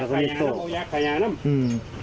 ยาค่าย่าน้ำ